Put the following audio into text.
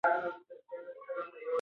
ټولنپوهنه منطقي فکر کولو ته وده ورکوي.